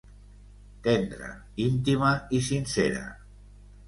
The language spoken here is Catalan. Tendra, íntima i sincera.